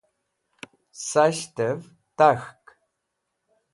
sas̃ht'ev tak̃hk